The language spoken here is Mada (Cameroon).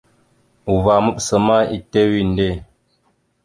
Uvah maɓəsa ma etew inde.